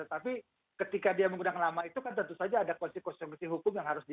tapi ketika dia menggunakan nama itu kan tentu saja ada konsekuensi konsekuensi hukum yang harus di